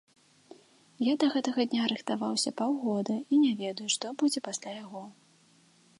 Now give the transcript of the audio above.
Я да гэтага дня рыхтаваўся паўгода, і не ведаю, што будзе пасля яго.